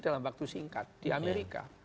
dalam waktu singkat di amerika